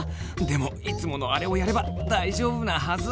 でもいつものあれをやれば大丈夫なはず！